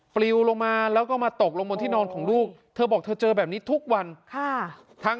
ปลิวลงมาแล้วก็มาตกลงบนที่นอนของลูกเธอบอกเธอเจอแบบนี้ทุกวัน